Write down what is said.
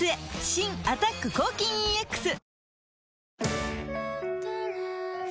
新「アタック抗菌ＥＸ」